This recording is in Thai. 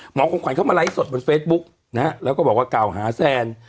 ของขวัญเข้ามาไลฟ์สดบนเฟซบุ๊กนะฮะแล้วก็บอกว่ากล่าวหาแซน